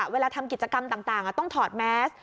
เวลาทำกิจกรรมต่างต้องถอดแมส